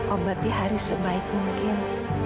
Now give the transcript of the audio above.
obati haris sebaik mungkin